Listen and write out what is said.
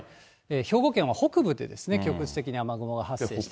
兵庫県は北部で局地的に雨雲が発生してます。